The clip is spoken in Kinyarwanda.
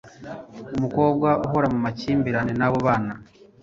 Umukobwa uhora mu makimbirane n'abo babana